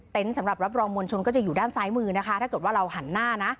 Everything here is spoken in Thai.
สำหรับรับรองมวลชนก็จะอยู่ด้านซ้ายมือนะคะถ้าเกิดว่าเราหันหน้านะ